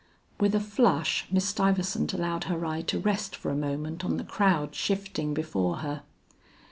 With a flush Miss Stuyvesant allowed her eye to rest for a moment on the crowd shifting before her.